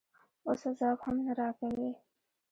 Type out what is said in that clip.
اوس ځواب هم نه راکوې؟